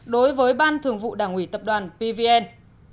đối với ban thường vụ đảng ủy tập đoàn pvn